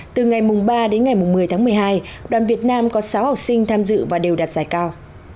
từ ngày ba đến ngày một mươi tháng một mươi hai đoàn việt nam có sáu học sinh tham dự và đều đạt giải cao